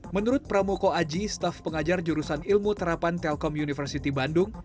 menurut pramoko aji staff pengajar jurusan ilmu terapan telkom universiti bandung